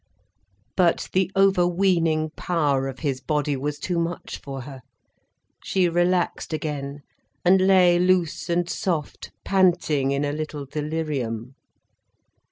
But the overweening power of his body was too much for her. She relaxed again, and lay loose and soft, panting in a little delirium.